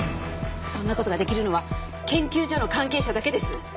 そんなことができるのは研究所の関係者だけです。